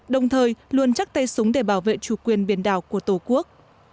đồng thời luôn chắc tay súng để bảo vệ chủ quyền biển đảo của tổ quốc